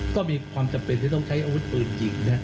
ก็มีความจำเป็นที่ต้องใช้อาวุธปืนยิง